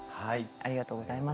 ありがとうございます。